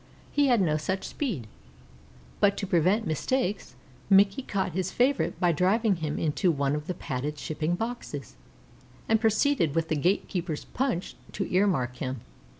He had no such speed, but to prevent mistakes Mickey caught his favorite by driving him into one of the padded shipping boxes, and proceeded with the gate keeper's punch to earmark him.